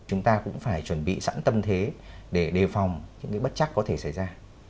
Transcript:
chúng ta cũng phải chuẩn bị sẵn tâm thế để đề phòng những bất chắc có thể xảy ra